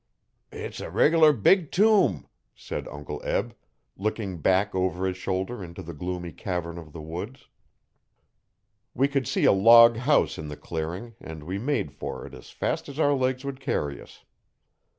'It's a reg'lar big tomb,' said Uncle Eb, looking back over his shoulder into the gloomy cavern of the woods. We could see a log house in the clearing, and we made for it as fast as our legs would carry us.